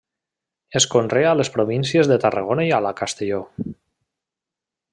Es conrea a les províncies de Tarragona i a la Castelló.